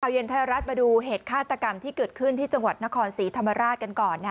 เย็นไทยรัฐมาดูเหตุฆาตกรรมที่เกิดขึ้นที่จังหวัดนครศรีธรรมราชกันก่อน